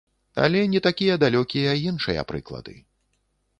Але не такія далёкія іншыя прыклады.